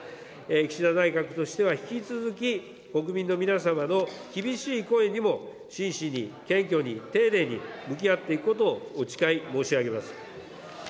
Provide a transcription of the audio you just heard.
岸田内閣としては引き続き、国民の皆様の厳しい声にも真摯に、謙虚に、丁寧に向き合っていくことをお誓い申し上げます。